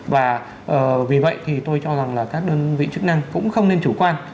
và vì vậy thì tôi cho rằng là các đơn vị chức năng cũng không nên chủ quan